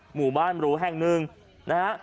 หมู่บ้านหรูแห่งหนึ่งนะฮะ